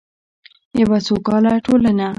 یوه سوکاله ټولنه.